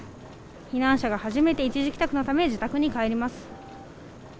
避難者が初めて一時帰宅のため、自宅に帰ります。